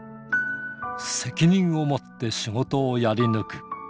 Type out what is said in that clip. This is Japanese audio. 責任を持って仕事をやり抜く。